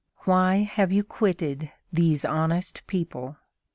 Why have you quitted these honest people?